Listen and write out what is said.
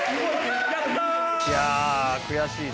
いやあ悔しいね。